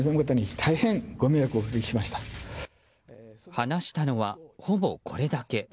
話したのは、ほぼこれだけ。